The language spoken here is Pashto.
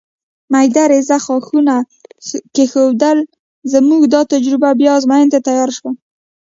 مېده رېزه ښاخونه کېښودل، زموږ دا تجربه بیا ازموینې ته تیاره شوه.